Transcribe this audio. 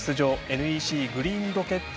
ＮＥＣグリーンロケッツ